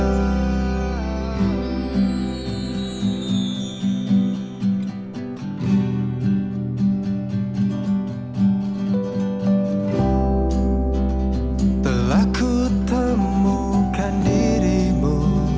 setelah ku temukan dirimu